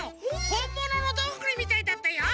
ほんもののどんぐりみたいだったよ！